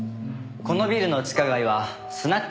このビルの地下街はスナックや居酒屋。